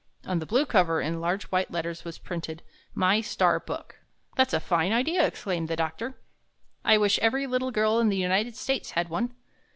On the blue cover in large white letters was printed :MY STAR BOOK. ''That's a fine idea!" exclaimed the doctor. ''I wish every little girl in the United States had one.